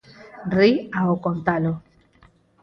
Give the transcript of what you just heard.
Ri ao contalo.